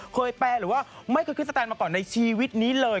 แปลหรือว่าไม่เคยขึ้นสแตนมาก่อนในชีวิตนี้เลย